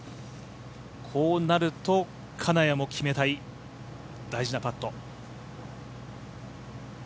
こうなると金谷も決めたい大事なパット。